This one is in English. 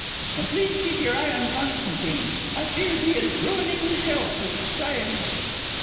"And please keep your eye on Constantine. I fear he is ruining his health with society."